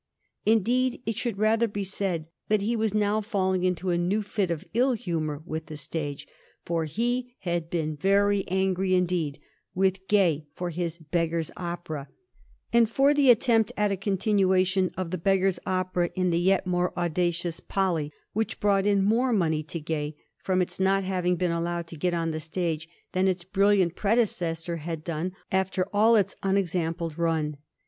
Indeed, it should rather be said that he was now falling into a new fit of ill humor with the stage; for he had been very angry indeed with Gay for his " Beggars' Opera," and for the attempt at a continuation of "The Beggars' Opera" in the yet more audacious " Polly," which brought in more money to Gay from its not having been allowed to get on the stage than its brilliant predecessor had done after all its unexampled run.